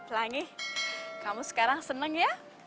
langi kamu sekarang seneng ya